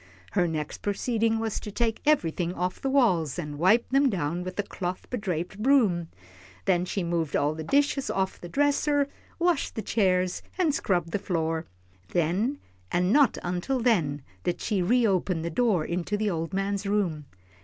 Her next proceeding was to take everything off the walls, and wipe them down with a cloth bedraped broom. Then she moved all the dishes off the dresser, washed the chairs, and scrubbed the floor. Then, and not until then, did she reopen the door into the old man's room.